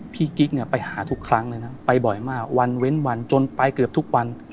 กิ๊กเนี่ยไปหาทุกครั้งเลยนะไปบ่อยมากวันเว้นวันจนไปเกือบทุกวัน